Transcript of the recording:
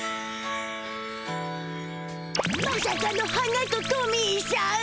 まさかの花とトミーしゃん。